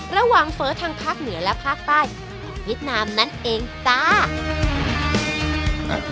อำเภอทางภาคเหนือและภาคใต้เวียดนามนั่นเองจ้า